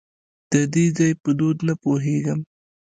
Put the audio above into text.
د دې ځای په دود نه پوهېږم .